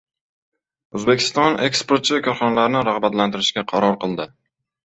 O‘zbekiston eksportchi korxonalarni rag‘batlantirishga qaror qildi